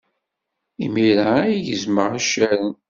Imir-a ay gezmeɣ accaren.